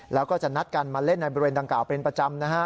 แล้วก็จะนัดกันมาเล่นในบริเวณดังกล่าวเป็นประจำนะฮะ